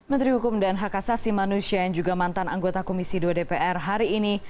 menteri hukum dan hak asasi manusia yang juga mantan anggota komisi dua dpr hari ini